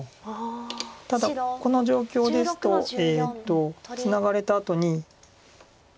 ただこの状況ですとツナがれたあとに。